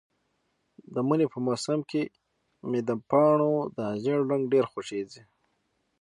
د مني په موسم کې مې د پاڼو دا ژېړ رنګ ډېر خوښیږي.